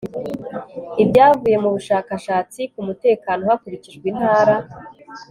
ibyavuye mu bushakashatsi k umutekano hakurikijwe intara